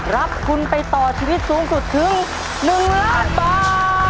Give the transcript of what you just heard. รับทุนไปต่อชีวิตสูงสุดถึง๑ล้านบาท